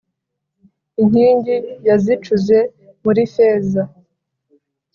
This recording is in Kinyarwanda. Inkingi yazicuze muri feza,